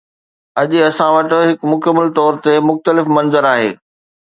اڄ اسان وٽ هڪ مڪمل طور تي مختلف منظر آهي.